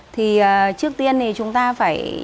thì trước tiên thì chúng ta phải